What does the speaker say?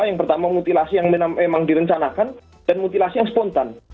yang pertama mutilasi yang memang direncanakan dan mutilasi yang spontan